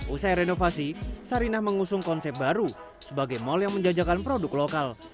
usai renovasi sarinah mengusung konsep baru sebagai mal yang menjajakan produk lokal